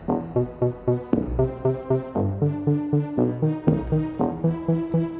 aduh aduh aduh